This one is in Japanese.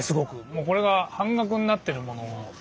もうこれが半額になってるもの。